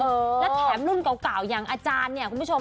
แล้วแถมรุ่นเก่าอย่างอาจารย์เนี่ยคุณผู้ชม